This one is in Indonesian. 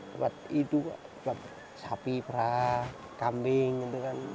buat itu buat sapi perah kambing itu kan